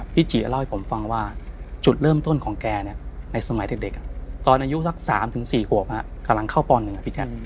จิเล่าให้ผมฟังว่าจุดเริ่มต้นของแกในสมัยเด็กตอนอายุสัก๓๔ขวบกำลังเข้าป๑อะพี่แจ๊ค